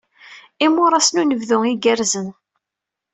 Imuras n unebdu igerrzen.